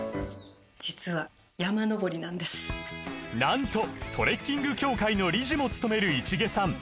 実はなんとトレッキング協会の理事もつとめる市毛さん